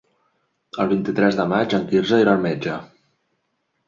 El vint-i-tres de maig en Quirze irà al metge.